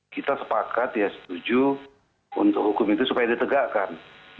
kita sepakat ya setuju untuk hukum itu supaya ditegakkan